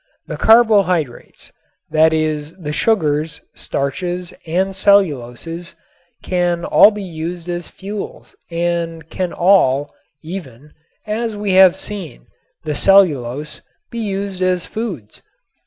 The carbohydrates, that is the sugars, starches and celluloses, can all be used as fuels and can all even, as we have seen, the cellulose be used as foods.